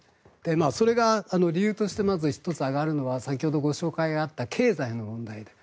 それが理由としてまず１つ挙がるのは先ほどご紹介があった経済の問題